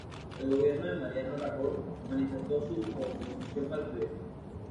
El gobierno de Mariano Rajoy manifestó su oposición al proyecto.